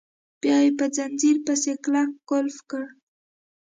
بیا یې په ځنځیر پسې کلک قلف کړه.